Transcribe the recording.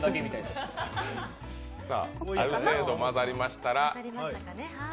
ある程度混ざりましたら。